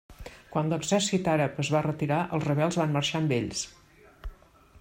Quan l'exèrcit àrab es va retirar els rebels van marxar amb ells.